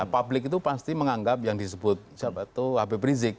publik itu pasti menganggap yang disebut siapa tuh hb brinzik